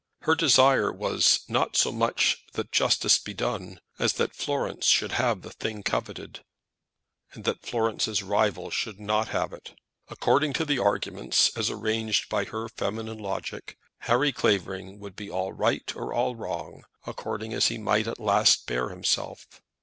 Her desire was, not so much that justice should be done, as that Florence should have the thing coveted, and that Florence's rival should not have it. According to the arguments, as arranged by her feminine logic, Harry Clavering would be all right or all wrong according as he might at last bear himself.